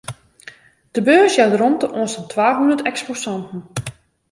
De beurs jout romte oan sa'n twahûndert eksposanten.